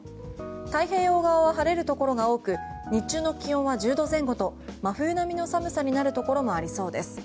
太平洋側は晴れるところが多く日中の気温は１０度前後と、真冬並みの寒さになるところもありそうです。